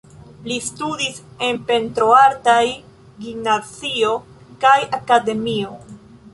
Li studis en pentroartaj gimnazio kaj akademio.